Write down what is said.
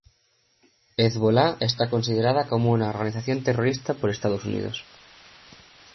Hezbolá está considerada como una organización terrorista por Estados Unidos.